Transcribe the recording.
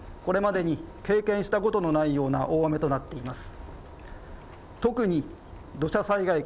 これまでに経験したことのないような大雨となっています。